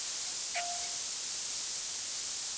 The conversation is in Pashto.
په سړک کثافات مه اچوئ.